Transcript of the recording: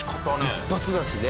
一発だしね。